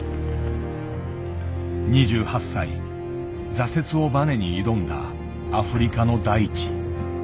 ２８歳挫折をバネに挑んだアフリカの大地。